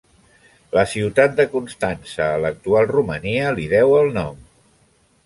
La ciutat de Constanţa, a l'actual Romania, li deu el nom.